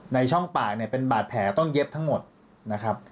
ช่องปากเนี่ยเป็นบาดแผลต้องเย็บทั้งหมดนะครับ